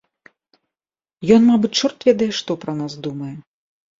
Ён, мабыць, чорт ведае што пра нас думае.